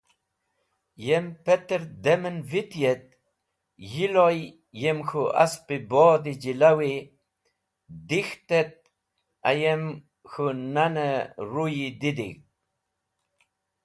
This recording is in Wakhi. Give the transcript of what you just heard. Yem petr dem en viti et yiloy yem k̃hũ asp-e bod-e jilawi dek̃hte et ayem k̃hũ nan-e ruyi didig̃hd.